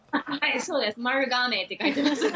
そうです、マルガメって、書いてますね。